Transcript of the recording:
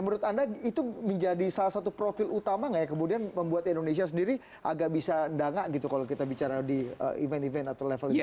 menurut anda itu menjadi salah satu profil utama nggak ya kemudian membuat indonesia sendiri agak bisa dana gitu kalau kita bicara di event event atau level internasional